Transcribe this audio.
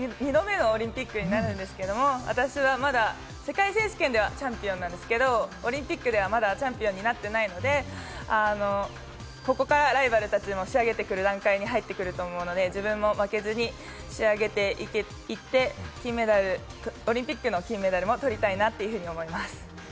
２度目のオリンピックになるんですけれども、私はまだ世界選手権ではチャンピオンなんですけれども、オリンピックではまだチャンピオンになっていないので、ここからライバルたちも仕上げてくる段階に入ってくると思うので、自分も負けずに仕上げていって、金メダル、オリンピックの金メダルも取りたいなと思います。